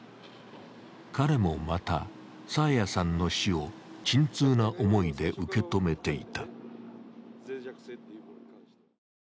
彼もまた、爽彩さんの死を沈痛な思いで受け止めていた。